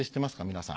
皆さん。